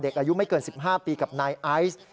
อายุไม่เกิน๑๕ปีกับนายไอซ์